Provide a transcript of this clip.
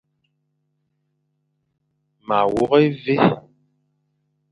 Ma wôkh évé.